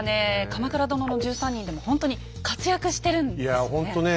「鎌倉殿の１３人」でもほんとに活躍してるんですよね。